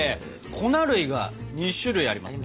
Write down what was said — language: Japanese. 粉類が２種類ありますね。